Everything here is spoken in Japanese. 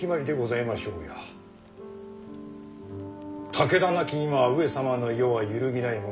武田亡き今上様の世は揺るぎないもの。